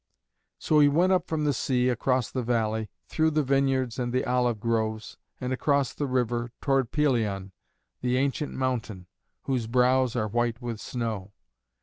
So he went up from the sea, across the valley, through the vineyards and the olive groves, and across the river, toward Pelion, the ancient mountain, whose brows are white with snow.